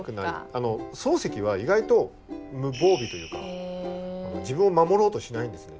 あの漱石は意外と無防備というか自分を守ろうとしないんですね。